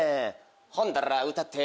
ほんだら歌って。